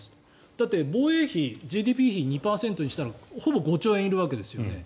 だって、防衛費ＧＤＰ比２％にしたらほぼ５兆円いるわけですよね。